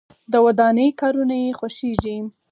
د ودانۍ کارونه یې خوښیږي.